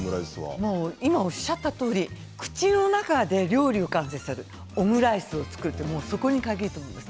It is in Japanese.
今おっしゃったとおり口の中で料理が完成するオムライスを作るそこに限ると思います。